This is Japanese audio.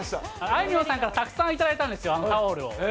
あいみょんさんからたくさん頂いたんですよ、タオルを。